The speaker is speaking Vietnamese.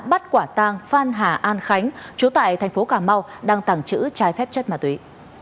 bắt quả tang phan hà an khánh chú tại thành phố cà mau đang tàng trữ trái phép chất ma túy